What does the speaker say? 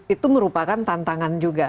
itu merupakan tantangan juga